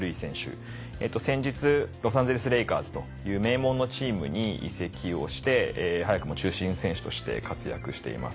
先日ロサンゼルス・レイカーズという名門のチームに移籍をして早くも中心選手として活躍しています。